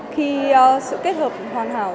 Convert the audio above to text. khi sự kết hợp hoàn hảo